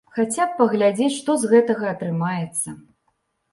Хаця б паглядзець, што з гэтага атрымаецца.